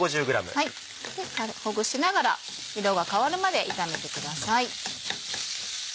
ほぐしながら色が変わるまで炒めてください。